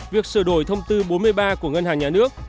việc sửa đổi thông tư bốn mươi ba của ngân hàng nhà nước